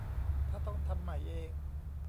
ถ้าต้องทำใหม่เอง